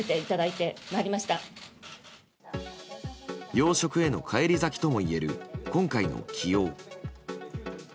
要職への返り咲きともいえる今回の起用。